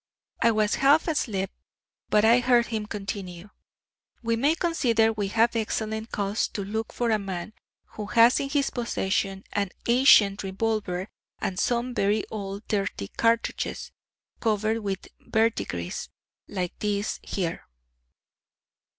I was half asleep, but I heard him continue: "We may consider we have excellent cause to look for a man who has in his possession an ancient revolver and some very old dirty cartridges covered with verdigris, like these here."